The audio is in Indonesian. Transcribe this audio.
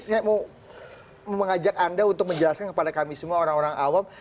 saya mau mengajak anda untuk menjelaskan kepada kami semua orang orang awam